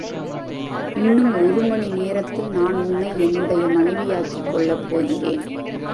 இன்னும் ஒரு மணிநேரத்தில் நான் உன்னை என்னுடைய மனைவியாக்கிக் கொள்ளப்போகிறேன்.